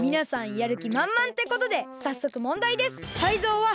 やるきまんまんってことでさっそく問だいです！